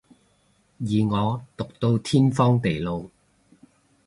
而我毒到天荒地老